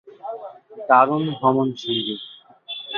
দারুণ ভ্রমণসঙ্গী।